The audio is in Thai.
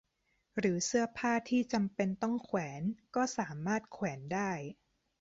หรือเสื้อผ้าที่จำเป็นต้องแขวนก็สามารถแขวนได้